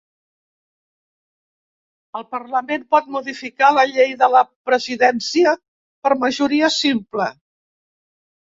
El parlament pot modificar la llei de la presidència per majoria simple